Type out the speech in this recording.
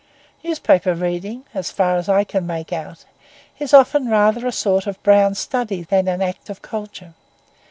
Newspaper reading, as far as I can make out, is often rather a sort of brown study than an act of culture.